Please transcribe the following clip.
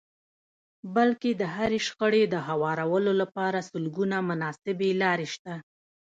بلکې د هرې شخړې د هوارولو لپاره سلګونه مناسبې لارې شته.